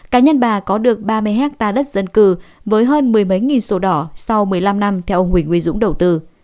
cá nhân bà có được ba mươi hectare đất dân cư với hơn mười mấy nghìn sổ đỏ sau một mươi năm năm theo ông nguyễn nguyễn dũng đầu tư